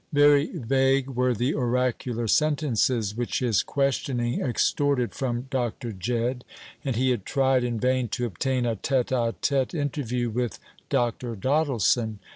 Very vague were the oracular sentences which his questioning extorted from Dr. Jedd, and he had tried in vain to obtain a tête à tête interview with Dr. Doddleson.